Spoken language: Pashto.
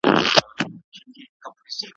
د زمري تر خولې را ووتل آهونه `